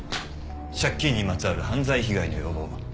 借金にまつわる犯罪被害の予防。